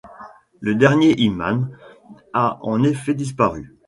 Le dernier imam a en effet disparu.